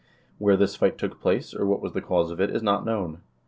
"2 Where this fight took place, or what was the cause of it, is not known.